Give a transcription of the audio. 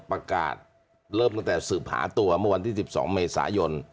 ประกาศเริ่มตั้งแต่สืบหาตัวเมื่อวันที่๑๒เมษายน